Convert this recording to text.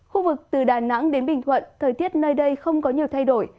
khu vực từ đà nẵng đến bình thuận thời tiết nơi đây không có nhiều thay đổi